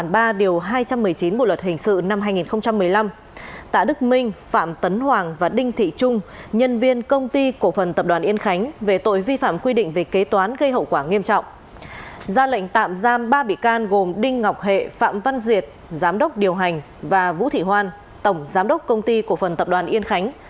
ba bị can gồm đinh ngọc hệ phạm văn diệt giám đốc điều hành và vũ thị hoan tổng giám đốc công ty cổ phần tập đoàn yên khánh